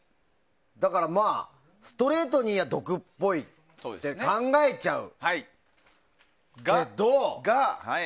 だから、ストレートには毒っぽいって考えちゃうけど。